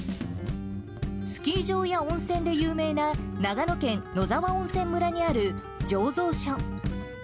スキー場や温泉で有名な長野県野沢温泉村にある醸造所。